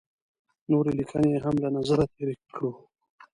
نورې لیکنې یې هم له نظره تېرې کړو.